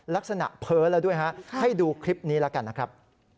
ลักษณะเพลินแล้วด้วยให้ดูคลิปนี้แล้วกันนะครับ